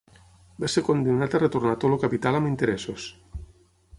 Va ser condemnat a retornar tot el capital amb interessos.